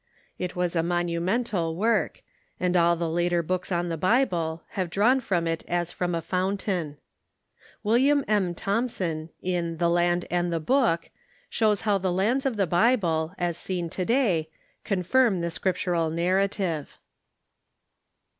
It was a monumental work, and all the later books on the Bible have drawn from it as from a fountain. William M. Thom son, in "The Land and the Book," shows how the lands of the Bible, as seen to day, confirm the Scriptural narrative.